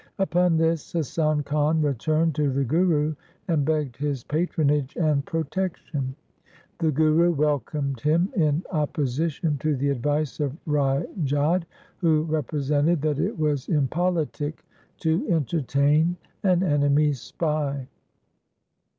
Upon this Hasan Khan returned to the Guru, and begged his patronage and protection. The Guru welcomed him in opposition to the advice of Rai Jodh, who represented that it was impolitic to LIFE OF GURU HAR GOBIND 181 entertain an enemy's spy.